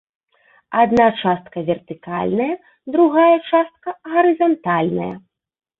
Адна частка вертыкальная, другая частка гарызантальная.